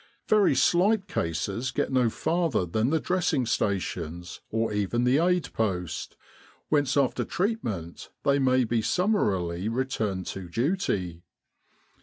Very slight cases get no farther than the Dressing Stations, or even the Aid Post, whence after treat ment they may be summarily returned to duty.